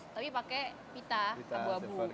tapi pakai pita abu abu